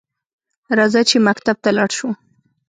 راځه چې مکتب ته لاړشوو؟